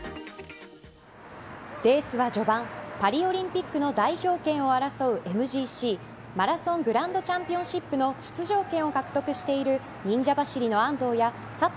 レースは序盤パリオリンピックの代表権を争うＭＧＣ＝マラソングランドチャンピオンシップの出場権を獲得している忍者走りの安藤や佐藤